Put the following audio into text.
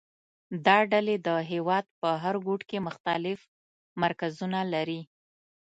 دا ډلې د هېواد په هر ګوټ کې مختلف مرکزونه لري